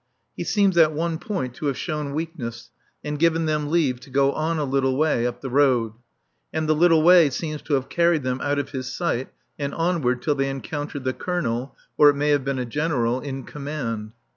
He seems at one point to have shown weakness and given them leave to go on a little way up the road; and the little way seems to have carried them out of his sight and onward till they encountered the Colonel (or it may have been a General) in command.